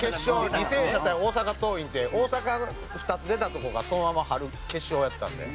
履正社対大阪桐蔭って大阪の２つ出たとこがそのまま春決勝やったんで。